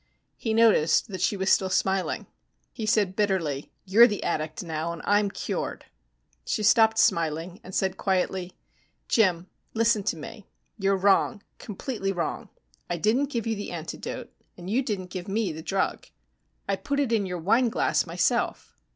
He noticed that she was still smiling. He said bitterly, "You're the addict now and I'm cured." She stopped smiling and said quietly, "Jim, listen to me. You're wrong, completely wrong. I didn't give you the antidote, and you didn't give me the drug." "I put it in your wineglass myself."